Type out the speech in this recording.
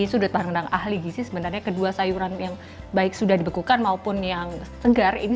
sudut pandang ahli gizi sebenarnya kedua sayuran yang baik sudah dibekukan maupun yang segar ini